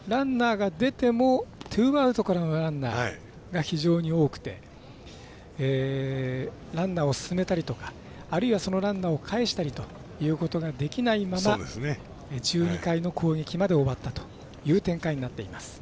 ツーアウトからのランナーが非常に多くてランナーを進めたりとかあるいは、そのランナーをかえしたりということができないまま１２回の攻撃まで終わったという展開になっています。